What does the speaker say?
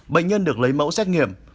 bệnh nhân được lấy mẫu xét nghiệm